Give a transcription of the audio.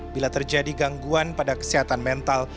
bila terjadi gangguan pada kesehatan mental